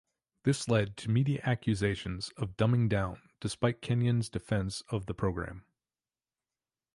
This led to media accusations of "dumbing down", despite Kenyon's defence of the programme.